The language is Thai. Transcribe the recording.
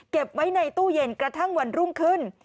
เก็บไว้ในตู้เย็นกระทั่งวันรุ่งขึ้น